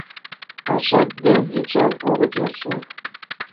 Ачат ден Эчан огыт ярсе.